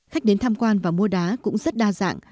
khách đến tham quan và mua đá cũng rất đa dạng